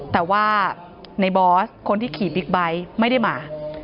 แต่ว่าในบอสคนที่ขี่บิ๊กไบท์ไม่ได้มา